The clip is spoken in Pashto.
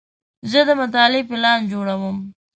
زه د مطالعې پلان جوړوم.